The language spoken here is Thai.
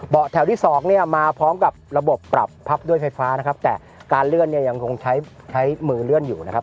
แถวที่สองเนี่ยมาพร้อมกับระบบปรับพับด้วยไฟฟ้านะครับแต่การเลื่อนเนี่ยยังคงใช้ใช้มือเลื่อนอยู่นะครับ